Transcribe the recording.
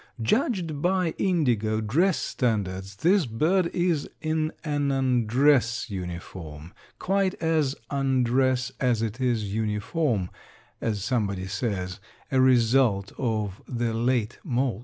Judged by indigo dress standards, this bird is in an undress uniform, quite as undress as it is uniform; as somebody says, a result of the late moult.